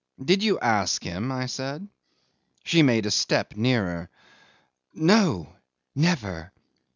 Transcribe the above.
"Did you ask him?" I said. 'She made a step nearer. "No. Never!"